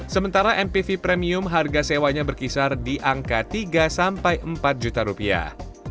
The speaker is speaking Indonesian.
sementara mpv premium harga sewanya berkisar di angka tiga sampai empat juta rupiah